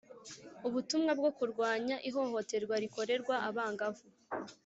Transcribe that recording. ubutumwa bwo kurwanya ihohoterwa rikorerwa abangavu